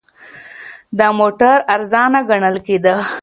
دا موټر ارزانه ګڼل کېده.